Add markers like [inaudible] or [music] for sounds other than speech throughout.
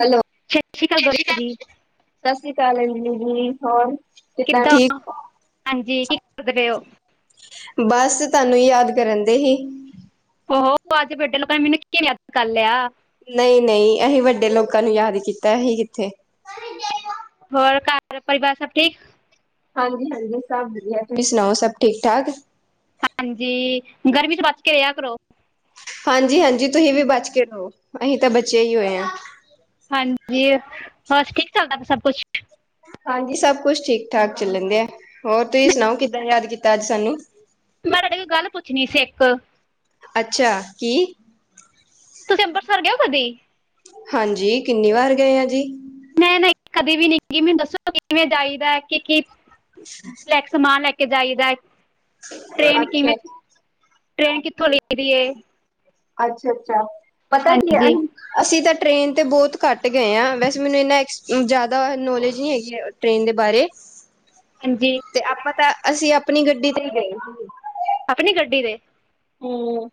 Hello ਸਤਿ ਸ਼੍ਰੀ ਅਕਾਲ ਸਿੀ ਗੌਰੀ ਅ ਜੀ ਸਤਿ ਸ਼੍ਰੀ ਅਕਾਲ ਆਂਟੀ ਜੀ ਹੋਰ ਕਿੱਦਾਂ ਹਾਂਜੀ, ਕੀ ਕਰਦੇ ਪਏ ਓ। ਬਸ ਤਾਨੂੰ ਯਾਦ ਕਰਨ ਦਈ ਸੀ। ਓਹੋ ਅੱਜ ਵੱਡੇ ਲੋਕਾਂ ਨੇ ਮੈਨੂੰ ਕਿਵੇ ਯਾਦ ਕਰ ਲੇਆ। ਨਈ -ਨਈ ਅਸੀਂ ਵੱਡੇ ਲੋਕਾਂ ਨੂੰ ਯਾਦ ਕੀਤਾ, ਅਸੀਂ ਕਿੱਥੇ। ਹੋਰ ਘਰ ਪਰਿਵਾਰ ਸਭ ਠੀਕ- ਹਾਂਜੀ -ਹਾਂਜੀ ਸਭ ਵੱਧੀਆ, ਤੁਸੀਂ ਸੁਣਾਓ ਸਭ ਠੀਕ -ਠਾਕ ਹਾਂਜੀ, ਗਰਮੀ ਚ ਬਚ ਕੇ ਰੇਆ ਕਰੋ। ਹਾਂਜੀ -ਹਾਂਜੀ ਤੁਸੀਂ ਵੀ ਬਚ ਕੇ ਰਹੋ, ਅਸੀਂ ਤਾਂ ਬਚੇ ਹੀ ਹੋਏ ਆ। ਹਾਂਜੀ, ਹੋਰ ਠੀਕ ਚੱਲਦਾ ਪੇਆ ਸਭ ਕੁਛ। ਹਾਂਜੀ ਸਭ ਕੁਛ ਠੀਕ- ਠਾਕ ਚੱਲਣ ਦੇਆ। ਹੋਰ ਤੁਸੀਂ ਸੁਣਾਓ ਕਿੱਦਾਂ ਯਾਦ ਕੀਤਾ ਅੱਜ ਸਾਨੂੰ। ਮੈਂ ਤਾਡੇ ਕੋਲ ਗੱਲ ਪੁੱਛਣੀ ਸੀ ਇੱਕ ਅੱਛਾ ਕੀ? ਤੁਸੀਂ ਅੰਬਰਸਰ ਗਏ ਓ ਕਦੀ? ਹਾਂਜੀ, ਕਿੰਨੀ ਵਾਰ ਗਏ ਆ ਜੀ। ਨਹੀਂ -ਨਹੀਂ ਕਦੇ ਵੀ ਨਈ ਤੁਸੀ ਮੈਨੂੰ ਦੱਸੋ ਕਿਵੇਂ ਜਾਈਦਾ ਕਿ- ਕੀ ਅੱਛਾ। ਘੱਟ ਸਮਾਨ ਲੈ ਕੇ ਜਾਈਦਾ ਅੱਛਾ ਟ੍ਰੇਨ ਜੀ। ਕਿਵੇਂ ਟ੍ਰੇਨ ਕਿੱਥੋਂ ਲਈਦੀ ਏ ਅੱਛਾ -ਅੱਛਾ ਪਤਾ ਕੀ ਆ ਹਾਂਜੀ ਅਸੀਂ ਤਾਂ ਟ੍ਰਰੇਨ ਤੇ ਬਹੁਤ ਘੱਟ ਗਏ ਆ, ਵੈਸੇ ਮੈਨੂੰ ਇੰਨਾ ਐਸ ਜ਼ਾਦਾ ਨੌਲੇਜ ਨਹੀਂ ਹੈਗੀ ਆ। ਟ੍ਰੇਨ ਦੇ ਬਾਰੇ, ਹਾਂਜੀ। ਤੇ ਆਪਾਂ ਤਾਂ, ਅਸੀਂ ਆਪਣੀ ਗੱਡੀ ਤੇ ਈ ਗਏ। ਆਪਣੀ ਗੱਡੀ ਤੇ ਹਮ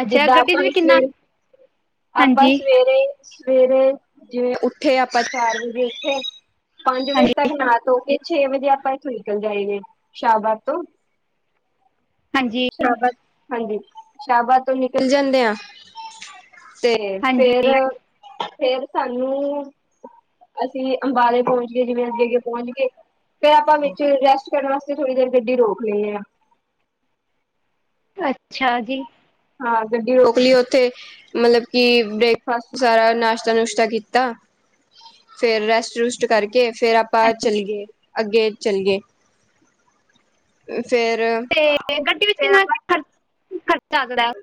ਅੱਛਾ ਜਿੱਦਾਂ ਗੱਡੀ ਆਪਾਂ 'ਚ ਵੀ ਕਿੰਨਾ ਸਵੇਰੇ, ਆਪਾਂ ਹਾਂਜੀ ਸਵੇਰੇ ਸਵੇਰੇ ਜਿਵੇ ਉੱਠੇ ਆ, ਆਪਾਂ ਚਾਰ ਵਜੇ ਉੱਠੇ, ਪੰਜ ਵਜੇ ਹਾਂਜੀ ਤੱਕ ਨਾ, ਧੋ, ਕੇ, ਛੇ ਵਜੇ ਆਪਾਂ ਇੱਥੋਂ ਨਿਕਲ ਜਾਈਏ, ਸ਼ਾਹਬਾਦ ਤੋਂ ਹਾਂਜੀ। ਸ਼ਾਬਾਦ ਹਾਂਜੀ, ਸ਼ਾਹਬਾਦ ਤੋਂ ਨਿਕਲ ਜਾਂਦੇ ਆ ਸਵੇਰੇ ਹਾਂਜੀ ਫੇਰ, ਫੇਰ ਸਾਨੂੰ ਅਸੀਂ ਅੰਬਾਲੇ ਤੋ ਅੱਗੇ, ਜਿਵੇਂ ਅੱਗੇ- ਅੱਗੇ ਪੌਚ ਗਏ। ਫੇਰ ਆਪਾਂ ਵਿੱਚ ਰੈਸਟ ਕਰਨ ਵਾਸਤੇ ਥੋੜ੍ਹੀ ਦੇਰ ਗੱਡੀ ਰੋਕ ਲੇਨੇ ਆ। ਅੱਛਾ ਜੀ। ਹਾਂ ਗੱਡੀ ਰੋਕ ਲਈਓ ਉੱਥੇ ਮਤਲਬ ਕਿ ਬ੍ਰੇਕਫਾਸਟ ਸਾਰਾ ਨਾਸ਼ਤਾ ਨੁਸ਼ਤਾ ਕੀਤਾ ਫਿਰ ਰੈਸਟ ਰੂਸਟ ਕਰਕੇ ਫਿਰ ਆਪਾਂ ਹਾਂਜੀ, ਚੱਲੀਏ। ਅੱਗੇ ਚਲੀਏ ਫੇਰ ਅਤੇ ਗੱਡੀ ਵਿੱਚ ਫੇਰ ਕਿੰਨਾ ਖਰ ਖਰਚਾ ਆਂਦਾ ਏ।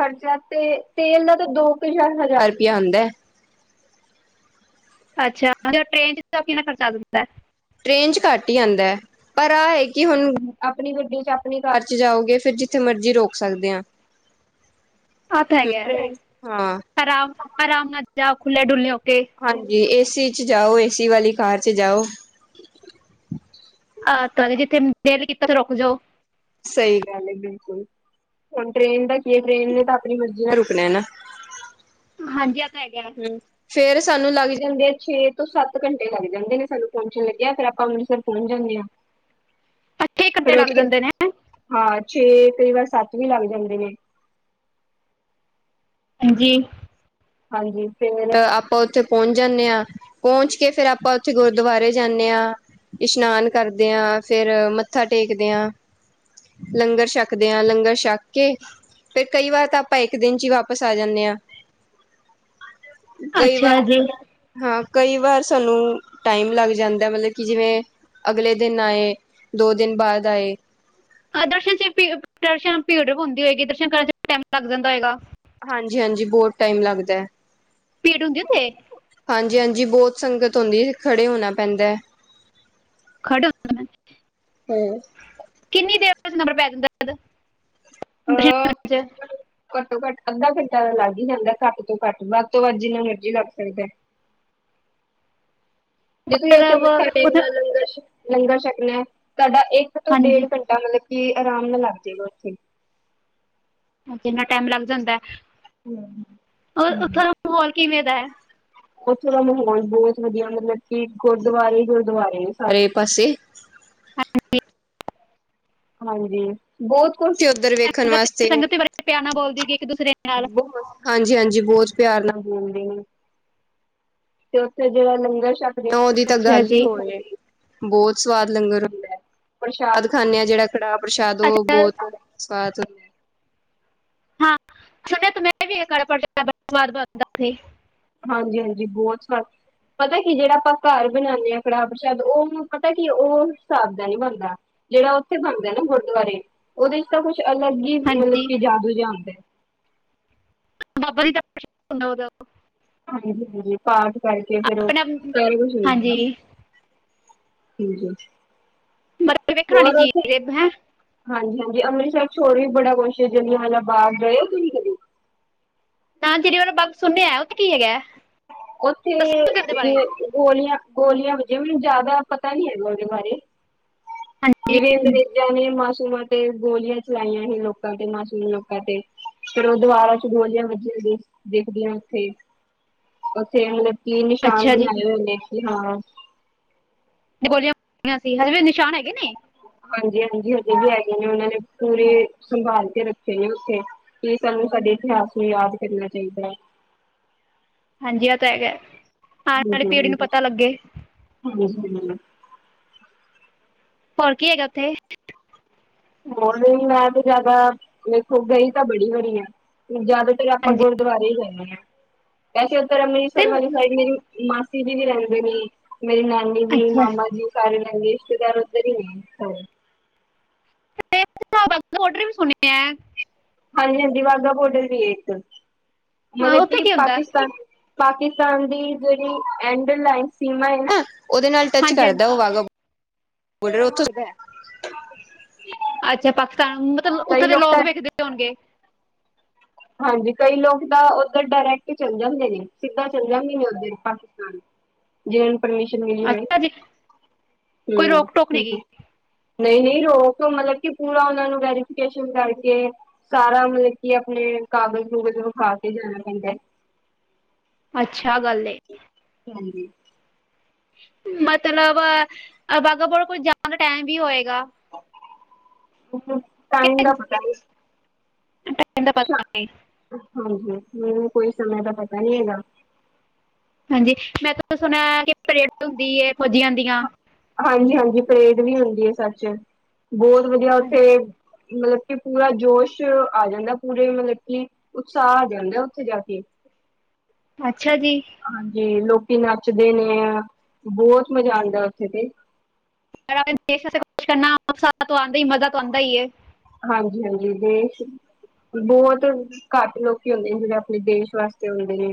ਖ਼ਰਚਾ ਤੇ ਤੇਲ ਦਾ ਤਾਂ ਦੋ ਕੁਾਰ ਹਜ਼ਾਰ ਰੁਪਇਆ ਆਂਦਾ ਏ। ਅੱਛਾ ਟ੍ਰੇਨ ਚ ਕਿੰਨਾ ਖਰਚਾ ਆਂਦਾ ਏ। ਟ੍ਰੇਨ 'ਚ ਘੱਟ ਹੀ ਆਂਦਾ ਹੈ। ਪਰ ਆਹ ਹੈ ਕਿ ਹੁਣ ਆਪਣੀ ਗੱਡੀ ਚ ਆਪਣੀ ਕਾਰ ਚ ਜਾਓਗੇ ਫਿਰ ਜਿੱਥੇ ਮਰਜ਼ੀ ਰੋਕ ਸਕਦੇ ਆਂ। ਆਹ ਪੈ ਗਿਆ ਹਾਂ ਆਰਾਮ ਆਰਾਮ ਨਾਲ ਜਾਓ ਖੁੱਲੇ ਡੁਲੇ ਹੋ ਕੇ। ਹਾਂਜੀ ਇਸੀ ਚ ਜਾਓ ਏਸੀ ਵਾਲੀ ਕਾਰ ਚ ਜਾਓ। ਆ ਤੁਹਾਡੇ ਜਿੱਥੇ ਦਿਲ ਕੀਤਾ ਤਾਂ ਰੁਕ ਜਾਓ। ਸਹੀ ਗੱਲ ਏ ਬਿਲਕੁਲ ਹੁਣ ਟਰੇਨ ਦਾ ਕੀ ਏ ਟ੍ਰੇਨ ਨੇ ਤਾਂ ਆਪਣੀ ਮਰਜੀ ਨਾਲ ਰੁਕਣਾ ਹੈ ਨਾ। ਹਾਂਜੀ ਆ ਪੈ ਗਿਆ। ਫਿਰ ਸਾਨੂੰ ਲੱਗ ਜਾਂਦੇ ਆ ਛੇ ਤੋਂ ਸੱਤ ਘੰਟੇ ਲੱਗ ਜਾਂਦੇ ਨੇ ਸਾੰਨੂ ਪਹੁੰਚਣ ਲੱਗਿਆਨ ਫੇਰ ਅੱਪਾਂ ਅੰਮ੍ਰਿਤਸਰ ਪਹੁੰਚ ਜਾਂਦੇ ਆਂ। [inaudible] ਘੰਟੇ ਫਿਰ ਲੱਗ ਉੱਥੇ ਜਾਂਦੇ ਨੇ ਹਾਂ ਛੇ ਕਈ ਵਾਰ ਸੱਤ ਵੀ ਲੱਗ ਜਾਂਦੇ ਨੇ। ਹਾਂਜੀ ਹਾਂਜੀ ਤੇ ਮੈਨੂੰ ਆਪਾਂ ਉਥੇ ਪਹੁੰਚ ਜਾਦੇ ਆਂ ਪਹੁੰਚ ਕੇ ਫੇਿਰ ਆਪਾਂ ਉੱਥੇ ਗੁਰਦੁਆਰੇ ਜਾਂਦੇ ਹਾਂ। ਇਸ਼ਨਾਨ ਕਰਦੇ ਆਂ ਫਿਰ ਮੱਥਾ ਟੇਕਦੇ ਆਂ। ਲੰਗਰ ਛੱਕਦੇ ਆਂ ਲੰਗਰ ਛਕ ਕੇ। ਫਿਰ ਕਈ ਵਾਰ ਤਾਂ ਅੱਪਾ ਇਕ ਦਿਨ ਚ ਹੈ ਵਾਪਸ ਆ ਜਾਂਦੇ ਆਂ। ਕਈ ਅੱਛਾ ਜੀ ਵਾਰ ਹਾਂ ਕਈ ਵਾਰ ਸਾਨੂੰ ਟਾਈਮ ਲੱਗ ਜਾਂਦਾ ਮਤਲਬ ਕਿ ਜਿਵੇੰ ਅਗਲੇ ਦਿਨ ਆਏ ਦੋ ਦਿਨ ਬਾਅਦ ਆਏ। ਹ ਦਰਸ਼ਨ ਚ ਭੀ ਦਰਸ਼ਨ ਭੀੜ ਹੁੰਦੀ ਹੋਏਗੀ ਦਰਸ਼ਨ ਕਰਨ ਚ ਟਾਈਮ ਲੱਗ ਜਾਂਦਾ ਹੈਗਾ। ਹਾਂਜੀ ਹਾਂਜੀ ਬਹੁਤ ਟਾਈਮ ਲਗਦਾ ਹੈ। ਭੀੜ ਹੁੰਦੀ ਉੱਥੇ ਹਾਂਜੀ ਹਾਂਜੀ ਬਹੁਤ ਸੰਗਤ ਹੁੰਦੀ ਖੜੇ ਹੋਣਾ ਪੈਂਦਾ ਏ। ਖਡ ਹਮ ਕਿੰਨੀ ਦੇਰ ਤਕ ਨੰਬਰ ਪੈ ਦਿੰਦਾ ਦਜ ਅਹ [unintelligible] ਘੱਟੋ ਘੱਟ ਅੱਧਾ ਘੰਟਾ ਤਾਂ ਲੱਗ ਹੀ ਜਾਂਦਾ ਘੱਟ ਤੋਂ ਘੱਟ ਵੱਧ ਤੋਂ ਵੱਧ ਜਿੰਨਾ ਮਰਜ਼ੀ ਲੱਗ ਜਾਂਦਾ ਏ। ਤੁਸੀਂ ਇਥੇ ਮੱਥਾ ਮਤਲਬ ਟੇਕ ਉੱਥੇ ਨਾਲ ਲੰਗਰ ਲੰਗਰ ਛਕਣਾ ਤੁਹਾਡਾ ਇੱਕ ਤੋਂ ਹਾਂਜੀ ਡੇਢ ਘੰਟਾ ਤਾਂ ਮਤਲਬ ਕਿ ਆਰਾਮ ਨਾਲ ਲੱਗ ਜਾਏਗਾ ਉੱਥੇ। ਕਿੰਨਾ ਟਾਈਮ ਲੱਗ ਜਾਂਦਾ ਹਮ [unintelligible] ਹਾਂਜੀ। ਮਾਹੌਲ ਕਿਵੇਂ ਦਾ ਉੱਥੋਂ ਦਾ ਮਾਹੌਲ ਬਹੁਤ ਵਧੀਆ ਮਤਲਬ ਕਿ ਗੁਰਦੁਆਰੇ ਗੁਰਦੁਆਰੇ ਨੇ ਸਾਰੇ ਪਾਸੇ। ਹਾਂਜੀ ਹਾਂਜੀ ਬਹੁਤ ਸੀੇ ਉੱਧਰ ਵੇਖਣ ਸੰਗਤ ਵਾਸਤੇ। ਸੰਗਤ ਦੇ ਬਾਰੇ ਪਿਆਰ ਨਾਲ ਬੋਲਦੀ ਹੈਗੀ ਇੱਕ ਦੂਸਰੇ ਨਾਲ ਹਾਂਜੀ ਹਾਂਜੀ ਬਹੁਤ ਪਿਆਰ ਨਾਲ ਬੋਲਦੇ ਨੇ ਤੇ ਉੱਥੇ ਜਿਹੜਾ ਲੰਗਰ ਸ਼ੱਕ ਲਓ ਜੀ ਤਾਂ ਅੱਛਾ ਗੱਲ ਹੀ ਜੀ ਹੋਵੇ ਬਹੁਤ ਸਵਾਦ ਲੰਗਰ ਪ੍ਰਸ਼ਾਦ ਖਾਨੇ ਹਾਂ ਜਿਹੜਾ। ਕੜਾਹ ਪ੍ਰਸ਼ਾਦ ਉਹ ਅੱਛਾ ਬਹੁਤ ਸਵਾਦ ਹੈ। ਹਾਂ ਸੁਣਿਆ ਤੇ ਮੈਂ ਵੀ ਬੜਾ ਸਵਾਦ ਬਣਦਾ ਸੀ [unintelligible] ਹਾਂਜੀ ਹਾਂਜੀ ਬਹੁਤ ਸ ਪਤਾ ਕੀ ਜਿਹੜਾ ਆਪਾਂ ਘਰ ਬਣਾਉਦੇ ਆ ਕੜਾਹ ਪ੍ਰਸ਼ਾਦ ਉਹਨੂੰ ਪਤਾ ਕੀ ਉਹ ਉਸ ਹਿਸਾਬ ਦਾ ਨੀਂ ਬਣਦਾ। ਜਿਹੜਾ ਉੱਥੇ ਬਣਦਾ ਹੈ ਨਾ ਗੁਰਦੁਆਰੇ ਉਹਦੇ ਵਿਚ ਤਾਂ ਕੁਛ ਅਲੱਗ ਹੀ ਮਤਲਬ ਹਾਂਜੀ ਕਿ ਜਾਦੂ ਜਿਆ ਆਂਦੇ ਬਾਬ ਜੀ ਦਾ ਪੁਸ਼ਪ ਹੁੰਦਾ ਉਦਰ ਪਾਠ ਪੜ ਕੇ ਫਿਰ ਉਹ ਆਪਣਾ ਘਰੋ ਚਲਿ ਗੀ ਨਾ ਹਾਂਜੀ ਬਿਲਕੁਲ ਮ ਵੇਖਣ ਵਾਲੀ ਚੀਜ਼ ਹੈਂ ਹਾਂਜੀ ਹਾਂਜੀ ਅੰਮ੍ਰਿਤਸਰ ਚ ਹੋਰ ਵੀ ਬੜਾ ਕੁਛ ਜਲਿਆਂ ਵਾਂਲਾਂ ਬਾਗ ਏ ਗਏ ਹੋ ਤੁਸੀਂ ਕਦ ਜਲਿਆਂ ਵਾਲਾ ਬਗ ਸੁਣਨਿਆ ਉਥੇ ਕੀ ਹੈਗਾ ਹੈ ਉੱਥੇ ਜਿਵੇ ਗੋਲੀਆਂ ਗੋਲੀਆਂ ਵਜੇ ਹੋਣੀਆ ਮੈਨੂੰ ਜ਼ਿਆਦਾ ਪਤਾ ਨੀ ਹੈਗਾ ਉਹਦੇ ਬਾਰੇ। ਹਾਂਜੀ ਜਿਵੇ ਅੰਗਰੇਜ਼ਾਂ ਨੇ ਮਾਸੂਮਾਂ ਤੇ ਗੋਲੀਆਂ ਚਲਾਈਆਂ ਹੀ ਲੋਕਾਂ 'ਤੇ ਮਾਸੂਮ ਲੋਕਾਂ 'ਤੇ ਫੇਰ ਉਹ ਦਵਾਰਾਂ 'ਚ ਗੋਲੀਆਂ ਵੱਜੀਆਂ ਦੇਖ ਦੇਖਦੇ ਆਂ ਉੱਥੇ। ਫੇਰ ਲੌਕੀ ਨਿਸ਼ਾਨ ਅੱਛਾ ਜੀ ਬਣਾਏ ਹੋਏ ਨੇ ਕਿ ਹਾਂ। ਨੀ ਗੋਲੀਆਂ ਆ ਸੀ ਹਜੇ ਵੀ ਨਿਸ਼ਾਨ ਹੈਗੇ ਨੇ। ਹਾਂਜੀ ਹਾਂਜੀ ਹਜੇ ਵੀ ਹੈਗੇ ਨੇ ਉਹਨਾਂ ਨੇ ਪੂਰੇ ਸੰਭਾਲ ਕੇ ਰੱਖੇ ਨੇ ਉੱਥੇ। ਕੀ ਸਾਨੂੰ ਸਾਡੇ ਇਤਿਹਾਸ ਨੂੰ ਯਾਦ ਕਰਨਾ ਚਾਈਦਾ। ਹਾਂਜੀ ਆਹ ਤਾਂ ਹੈਗਾ। ਆਉਣ ਵਾਲੀ ਪੀੜ੍ਹੀ ਨੂੰ ਪਤਾ ਲੱਗੇ [unintelligible] ਹੋਰ ਕੀ ਹੈਗਾ ਉੱਥੇ? ਹੋਰ ਮੈਂ 'ਤੇ ਜਿਆਦਾ ਵੇਖੋ ਗਈ ਤਾਂ ਬੜੀ ਵਰੀ ਆ ਜਿਆਦਾਤਰ ਆਪਾਂ ਹਾਂਜੀ ਗੁਰਦੁਆਰੇ ਗਏ ਆ, ਵੈਸੇ ਉੱਧਰ ਤੇ ਅੰਮ੍ਰਿਸਰ ਵਾਲੀ ਸਾਈਡ ਮੇਰੀ ਮਾਸੀ ਜੀ ਵੀ ਰਹਿੰਦੇ ਨੇ, ਮੇਰੀ ਨਾਨੀ ਵੀ, ਅੱਛਾ ਮਾਮਾ ਜੀ। ਸਾਰੇ ਰਹਿੰਦੇ ਰਿਸ਼ਤੇਦਾਰ ਉਧਰ ਈ ਨੇ ਸਾਰੇ ਤੇ ਬਾਗ਼ਾਂ ਬੋਡਰ ਵੀ ਸੁਣੇ ਐ। ਹਾਂਜੀ ਹਾਂਜੀ ਵਾਗਾਂ ਬੋਡਰ ਵੀ ਏ ਏਕ ਹਾਂ ਮਲਬ ਉੱਥੇ ਕੀ ਹੁੰਦਾ ਪਾਕਿਸਤਾਨ ਪਾਕਿਸਤਾਨ ਦੀ ਜਿਹੜੀ ਐਂਡ ਲਾਇਨ ਸੀਮਾ ਏ ਨਾ ਉਹਦੇ ਨਾਲ ਟੱਚ ਹਾਂਜੀ ਹਾਂਜੀ ਕਰਦਾ ਓ ਵਾਗਾ ਬੋਡਰ ਉੱਥੋਂ ਸੀ ਧੈ। ਅੱਛਾ ਪਾਕਿਸਤਾਨ ਮਤਲਬ ਉੱਥੇ ਦੇ ਲੋਕ ਵੇਖਦੇ ਹੋਣਗੇ। ਹਾਂਜੀ ਕਈ ਲੋਕ ਤਾਂ ਉੱਧਰ ਡਾਇਰੈਕਟ ਚੱਲ ਜਾਂਦੇ ਨੇ ਸਿੱਧਾਂ ਚੱਲ ਜਾਂਦੇ ਨੇ ਉੱਧਰ ਪਾਕਿਸ [inaudible] ਜਿਵੇ ਉਣ ਪਰਮਿਸ਼ਨ ਮਿਲੀ ਉਵੇ, ਅੱਛਾ ਜੀ ਕੋਈ ਹੂੰ ਰੋਕ ਟੋਕ ਨਹੀਂ ਹਾਂਜੀ ਗਈ ਨਈ ਨਈ ਰੋਕ ਮਤਲਬ ਕਿ ਪੂਰਾ ਉਹਨਾਂ ਨੂੰ ਵੈਰੀਫਿਕੇਸ਼ਨ ਕਰਕੇ ਕਾਰਾ ਮਤਲਬ ਕੀ ਆਪਣੇ ਕਾਗਜ਼ ਕੁੂਗਜ ਵਖਾ ਕੇ ਜਾਣਾ ਪੈਂਦਾ ਐ। ਅੱਛਾ ਗੱਲ ਏ। ਹਾਂਜੀ। ਮਤਲਬ ਆਹ ਬਾਗਾ ਬੋਡਰ ਕੋਲ ਜਾਣ ਦਾ ਟਾਈਮ ਵੀ ਹੋਏਗਾ। ਟਾਇਮ ਦਾ ਪਤਾ ਨੀ। ਏਡਾ ਪ ਸ਼ਾ ਤਾ ਨੀ। ਹਾਂਜੀ ਮੈਨੂੰ ਕੋਈ ਸਮੇਂ ਦਾ ਪਤਾ ਨੀ ਹੈਗਾ। ਹਾਂਜੀ ਮੈਂ ਤਾਂ ਸੁਣਿਆ ਕਿ ਪਰੇਡ ਹੁੰਦੀ ਏ ਫੌਜੀਆਂ ਦੀਆਂ। ਹਾਂਜੀ ਹਾਂਜੀ ਪਰੇਡ ਵੀ ਹੁੰਦੀ ਏ ਸੱਚ ਬੋਅਤ ਵਧੀਆ ਉੱਥੇ ਮਤਲਬ ਕਿ ਪੂਰਾ ਜੋਸ਼ ਆ ਜਾਂਦਾ ਪੂਰੇ ਮਤਲਬ ਕਿ ਉਤਸ਼ਾਹ ਆ ਜਾਂਦਾ ਉੱਥੇ ਜਾ ਕੇ। ਅੱਛਾ ਜੀ। ਹਾਂਜੀ ਲੋਕੀ ਨੱਚਦੇ ਨੇ ਬੋਅਤ ਮਜ਼ਾ ਆਂਦਾ ਉੱਥੇ 'ਤੇ। ਆਪਣੇ ਦੇਸ਼ ਵਾਸਤੇ ਕੁਛ ਕਰਨਾ ਸਾ ਤੋ ਆਂਦਾ ਈ ਮਜ਼ਾ ਤੋਂ ਆਂਦਾ ਈ ਏ। ਹਾਂਜੀ ਹਾਂਜੀ ਦੇਸ਼ ਬੋਅਤ ਘੱਟ ਲੋਕੀ ਹੁੰਦੇ ਨੇ ਜਿਹੜੇ ਆਪਣੇ ਦੇਸ਼ ਵਾਸਤੇ ਹੁੰਦੇ ਨੇ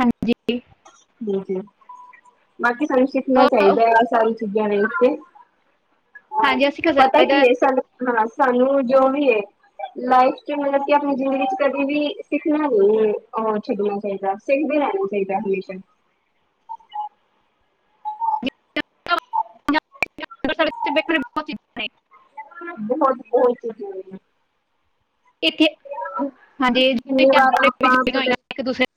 ਹਾਂ ਜੀ ਬਾਕੀ ਸਾਨੂੰ ਸਿੱਖਣਾ ਹੋਰ ਚਾਈਦਾ ਸਾਰੀ ਚੀਜ਼ਾਂ ਦੇ ਉਤੇ ਹਾਂਜੀ ਅਸੀਂ ਪਤਾ ਕਜ਼ਾਇਦਾ ਕੀ ਏ ਸਾਨੂੰ ਹਾਂ ਸਾਨੂੰ ਜੋ ਵੀ ਏ ਲਾਈਫ 'ਚ ਮਲਬ ਕਿ ਆਪਣੀ ਜ਼ਿੰਦਗੀ 'ਚ ਕਦੀ ਵੀ ਸਿੱਖਣਾ ਵੀ ਔਰ ਛੱਡਣਾ ਚਾਈਦਾ ਸਿੱਖਦੇ ਰਹਿਣਾ ਚਾਈਦਾ ਹਮੇਸ਼ਾ ਜਿੱਦਾਂ [unintelligible] ਨੇ ਬਹੁਤ ਬਹੁਤ ਚੀਜ਼ਾਂ ਇੱਥੇ, ਹਾਂਜੀ ਅਸੀਂ ਕਿੰਨੀ ਜੁੜੀਆਂ ਵਾਰ ਆਪਾਂ ਹੋਈਆਂ ਪਤਾ ਨੇ ਇੱਕ-ਦੂਸਰੇ [unintelligible]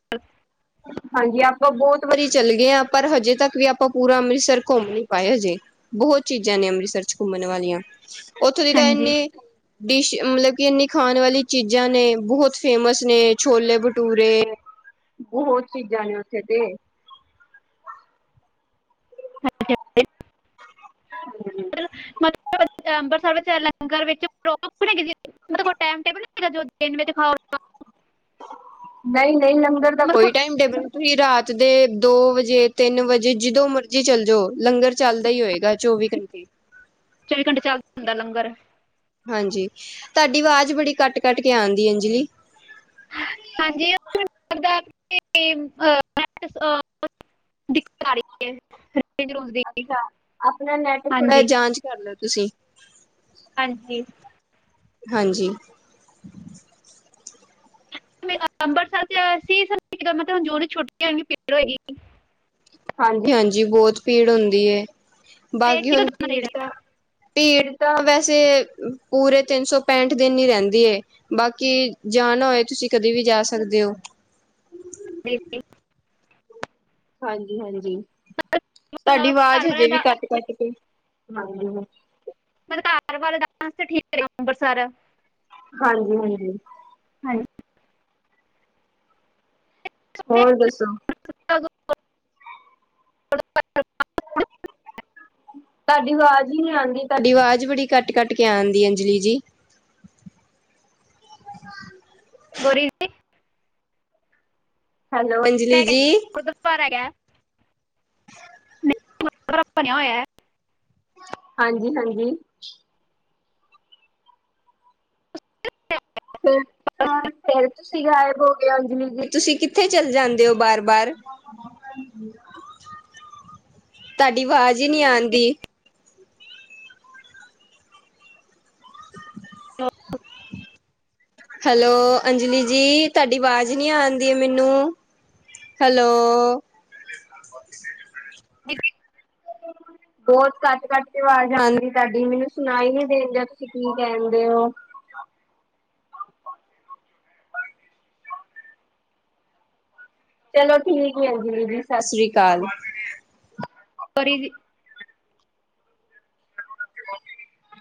ਹਾਂਜੀ ਆਪਾਂ ਬਹੁਤ ਵਾਰੀ ਚੱਲ ਗਏ ਆ ਪਰ ਹਜੇ ਤੱਕ ਵੀ ਆਪਾਂ ਪੂਰਾ ਅੰਮ੍ਰਿਸਰ ਘੁੰਮ ਨੀ ਪਾਏ ਹਜੇ ਬਹੁਤ ਚੀਜ਼ਾਂ ਨੇ ਅੰਮ੍ਰਿਸਰ 'ਚ ਘੁੰਮਣ ਵਾਲੀਆਂ ਉੱਥੋਂ ਦੀ ਤਾਂ ਹਾਂਜੀ ਐਨੀ ਡਿਸ਼ ਮਲਬ ਕਿ ਇੰਨੀ ਖਾਣ ਵਾਲੀ ਚੀਜ਼ਾਂ ਨੇ ਬਹੁਤ ਫੇਮਸ ਨੇ ਛੋਲੇ-ਭਟੂਰੇ ਬਹੁਤ ਚੀਜ਼ਾਂ ਨੇ ਉੱਥੇ ਤੇ ਹਾਂ! [unintelligible] ਹੂੰ। [unintelligible] ਮਤਲਬ ਅੰਮ੍ਰਿਤਸਰ ਵਿੱਚ, ਲੰਗਰ ਵਿੱਚ ਪ੍ਰੋਪਰ। [unintelligible] ਮੇਰੇ ਕੋਲ਼ ਟਾਈਮ ਟੇਬਲ ਨਹੀਂ ਹੈਗਾ ਜੋ ਦਿਨ ਵਿੱਚ ਖਾਓ। [unintelligible] ਨਹੀਂ ਨਹੀਂ ਲੰਗਰ ਦਾ ਕੋਈ ਟਾਈਮ ਟੇਬਲ ਤੁਹੀਂ ਰਾਤ ਦੇ ਦੋ ਵਜੇ ਤਿੰਨ ਵਜੇ, ਜਦੋ ਮਰਜ਼ੀ ਚੱਲ ਜਾਓ ਲੰਗਰ ਚੱਲਦਾ ਹੀ ਹੋਏਗਾ ਚੌਵੀ ਘੰ ਚੌਵੀ ਘੰਟੇ ਚੱਲਦਾ ਹੁੰਦਾ [unintelligible] ਲੰਗਰ ਹਾਂਜੀ! ਤਾਡੀ ਵਾਜ਼ ਬੜੀ ਕੱਟ ਕੱਟ ਕੇ ਆਂਦੀ ਐ ਜੀ ਹਾਂਜੀ! [unintelligible] ਦਿੱਕਤ ਆ ਰਹੀ ਹੈ ਫਿਰ। [unintelligible] ਅੱਛਾ ਆਪਣਾ ਨੈਟ ਥੋੜ੍ਹਾ ਜਿਹਾ ਹਾਂਜੀ ਜਾਂਚ ਕਰ ਲੋ ਤੁਸੀਂ ਹਾਂਜੀ ਹਾਂਜੀ ਮੈਂ ਅੰਬਰਸਰ 'ਚ ਅਸੀਂ ਮਤਲਬ ਜੋ ਛੁੱਟੀਆਂ ਇੰਨੀ ਭੀੜ ਹੋਏਗੀ। [unintelligible] ਹਾਂਜੀ ਹਾਂਜੀ ਬਹੁਤ ਭੀੜ ਹੁੰਦੀ ਐ ਤੇ ਬਾਕੀ ਕਿਦੋਂ ਹੁਣ ਜਾਣਾ ਭੀੜ ਚਾਹੀਦਾ ਤਾਂ ਭੀੜ ਤਾਂ ਵੈਸੇ ਪੂਰੇ ਤਿੰਨ ਸੌ ਪੈਂਠ ਦਿਨ ਹੀ ਰਹਿੰਦੀ ਏ ਬਾਕੀ ਜਾਣਾ ਹੋਏ ਤੁਸੀਂ ਕਦੀ ਵੀ ਜਾ ਸਕਦੇ ਓ ਬੇਟੀ ਹਾਂਜੀ ਹਾਂਜੀ ਤੁਹਾਡੀ ਅਹ, ਘਰ ਆਵਾਜ਼ ਹਜੇ ਵਾਲਿਆਂ ਵੀ ਦਾ ਕੱਟ ਕੱਟ ਕੇ ਹਾਂਜੀ ਪਰ ਘਰ ਬਾਰੇ ਤਾਂ ਅੰਮ੍ਰਿਤ ਠੀਕ ਰਹੇ ਅੰਮ੍ਰਿਤਸਰ। [unintelligible] ਹਾਂਜੀ ਹਾਂਜੀ ਹਾਂ ਹੋਰ ਦੱਸੋ - [unintelligible] ਤਾਡੀ ਵਾਜ਼ ਹੀ ਨਹੀਂ ਆਂਦੀ ਤਾਡੀ ਵਾਜ਼ ਬੜੀ ਕੱਟ ਕੱਟ ਕੇ ਆਂਦੀ ਅੰਜਲੀ ਜੀ ਗੌਰੀ ਹੈਲੋ ਅੰਜਲੀ ਮੈਂ ਜੀ ਕਹਿੰਦੀ ਗੁਰਦੁਆਰਾ ਹੈਗਾ। [unintelligible] ਬੜਾ [unintelligible] ਬਣਿਆ ਹੋਇਆ ਐ ਹਾਂਜੀ ਹਾਂਜੀ ਹੂੰ। [unintelligible] ਹਾਂ ਫਿਰ ਤੁਸੀਂ ਗਾਇਬ ਹੋ ਗਏ ਅੰਜਲੀ ਜੀ ਤੁਸੀਂ ਕਿੱਥੇ ਚਲ ਜਾਂਦੇ ਓ ਬਾਰ ਬਾਰ [inaudible] ਤੁਹਾਡੀ ਆਵਾਜ਼ ਹੀ ਨਹੀਂ ਆਂਦੀ। ਕਿਉਂ ਹੈਲੋ, ਅੰਜਲੀ ਜੀ ਤੁਹਾਡੀ ਆਵਾਜ਼ ਨਹੀਂ ਆਂਦੀ ਮੈਨੂੰ। ਹੈਲੋ, [unintelligible] ਕਿ ਬਹੁਤ ਕੱਟ- ਕੱਟ ਕੇ ਆਵਾਜ਼ ਆਉਂਦੀ ਤੁਹਾਡੀ ਮੈਨੂੰ ਸੁਣਾਈ ਨੀ ਦੇਣ ਡਿਆ ਤੁਸੀਂ ਕੀ ਕਹਿੰਦੇ ਹੋ। ਚਲੋ ਠੀਕ ਆ ਅੰਜਲੀ ਜੀ ਸਤਿ ਸ੍ਰੀ ਅਕਾਲ। ਪਰੀ ਦੀ [unintelligible]